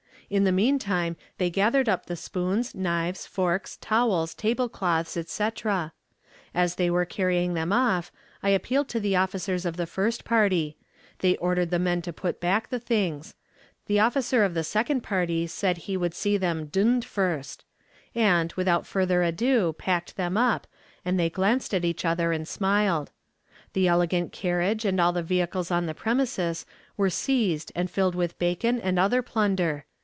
In the mean time, they gathered up the spoons, knives, forks, towels, table cloths, etc. As they were carrying them off, I appealed to the officers of the first party; they ordered the men to put back the things; the officer of the second party said he would see them d d first; and, without further ado, packed them up, and they glanced at each other and smiled. The elegant carriage and all the vehicles on the premises were seized and filled with bacon and other plunder.